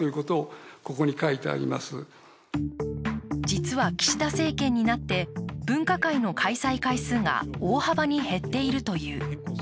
実は、岸田政権になって分科会の開催回数が大幅に減っているという。